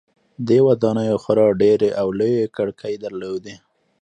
دې ودانیو خورا ډیرې او لویې کړکۍ درلودې.